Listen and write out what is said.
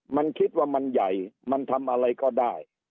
มันคิดว่ามันใหญ่มันทำอะไรก็ได้